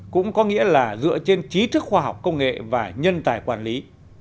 cũng có nghĩa là dựa trên trí thức khoa học công nghệ và nhân tài quản lý